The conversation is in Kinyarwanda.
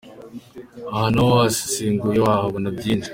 Aha na ho uhasesenguye wahabona byinshi.